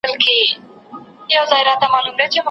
وزیر اکبر خان دوه ځله د انګلیسانو له لورې ټپي شو.